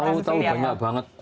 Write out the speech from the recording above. tahu tahu banyak banget